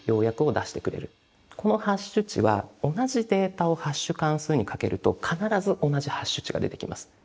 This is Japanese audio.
このハッシュ値は同じデータをハッシュ関数にかけると必ず同じハッシュ値が出てきます。